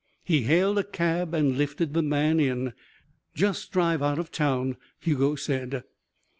He hailed a cab and lifted the man in. "Just drive out of town," Hugo said.